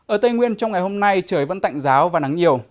ở tây nguyên trong ngày hôm nay trời vẫn tạnh giáo và nắng nhiều